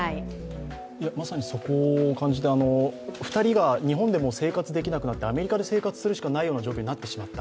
まさにそこを感じて、２人が日本でも生活できなくなってアメリカで生活するしかないような状況になってしまった。